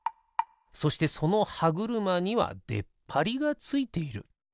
そしてそのはぐるまにはでっぱりがついている。